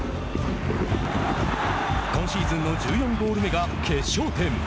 今シーズンの１４ゴール目が決勝点。